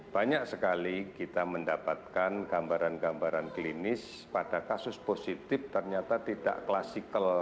banyak sekali kita mendapatkan gambaran gambaran klinis pada kasus positif ternyata tidak klasikal